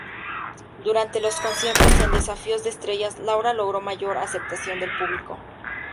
Durante los conciertos en Desafío de Estrellas Laura logró mayor aceptación del público.